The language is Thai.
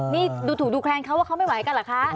นี่ดูถูกดูแคลนเขาว่าเขาไม่ไหวกันเหรอคะ